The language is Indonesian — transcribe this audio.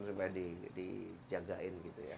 supaya dijagain gitu ya